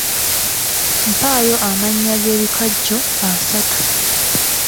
Mpaayo amannya g'ebikajjo asatu